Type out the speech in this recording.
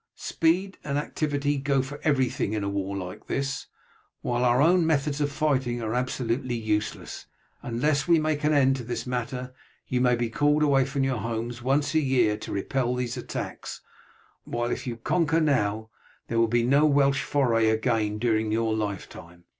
Speed and activity go for everything in a war like this, while our own methods of fighting are absolutely useless. Unless we make an end of this matter you may be called away from your homes once a year to repel these attacks, while if you conquer now there will be no Welsh foray again during your lifetime.